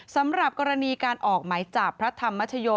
สำหรับกรณีการออกหมายจับพระธรรมชโย